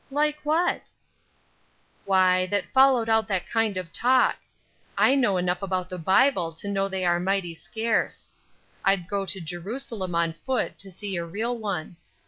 "Like what?" "Why, that followed out that kind of talk. I know enough about the Bible to know they are mighty scarce. I'd go to Jerusalem on foot to see a real one.